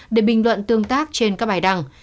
để bình luận tương tác trên các bài đăng